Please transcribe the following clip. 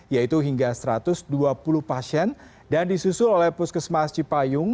yaitu hingga satu ratus dua puluh pasien dan disusul oleh puskesmas cipayung